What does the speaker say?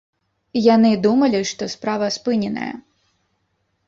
Яны думалі, што справа спыненая.